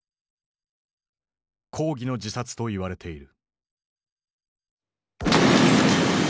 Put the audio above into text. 抗議の自殺といわれている。